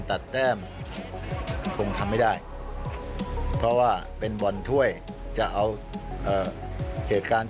ติดตามได้จากรายงานของวงการฟุตบอลในอนาคต